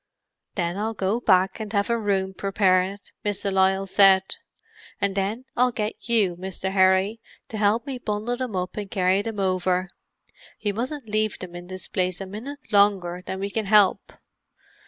"Then I'll go back and have a room prepared," Miss de Lisle said; "and then I'll get you, Mr. Harry, to help me bundle them up and carry them over. We mustn't leave them in this place a minute longer than we can help.